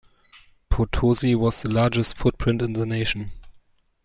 Potosi, was the largest footprint in the nation.